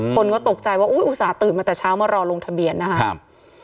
คนก็ตกใจว่าอุ๊ยอุตส่าหื่นมาแต่เช้ามารอลงทะเบียนนะครับ